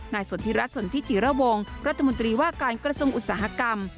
สนทิรัฐสนทิจิระวงรัฐมนตรีว่าการกระทรวงอุตสาหกรรม